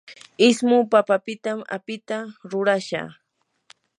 ismu papapitam apita rurashaa.